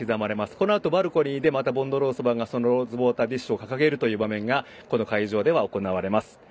このあとバルコニーでまたボンドロウソバが、そのローズウォーター・ディッシュを掲げるという場面がこの会場では行われます。